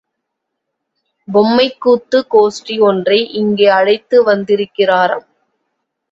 பொம்மைக்கூத்து கோஷ்டி ஒன்றை இங்கே அழைத்து வந்திருக்கிறாராம்.